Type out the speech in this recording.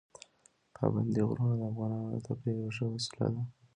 پابندي غرونه د افغانانو د تفریح یوه ښه وسیله ده.